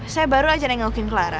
saya baru aja nengokin clara